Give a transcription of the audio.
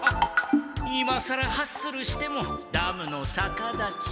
いまさらハッスルしてもダムのさかだち